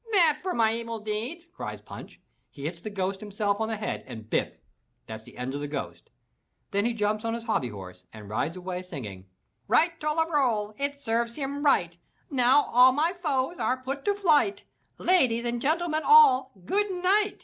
"That for my evil deeds," cries Punch. He hits the ghost himself on the head and biff! that's the end of the ghost. Then he jumps on his hobby horse and rides away, singing: ''Right tol de rol, it serves him right, Now all my foes are put to flight, Ladies and gentlemen all, good night.